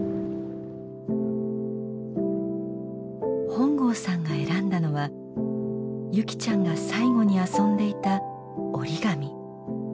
本郷さんが選んだのは優希ちゃんが最後に遊んでいた折り紙。